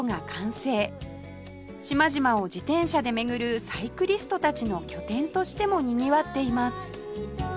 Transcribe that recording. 島々を自転車で巡るサイクリストたちの拠点としてもにぎわっています